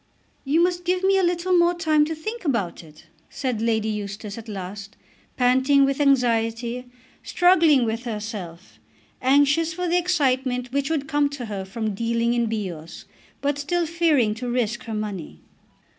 "You must give me a little more time to think about it," said Lady Eustace at last, panting with anxiety, struggling with herself, anxious for the excitement which would come to her from dealing in Bios, but still fearing to risk her money.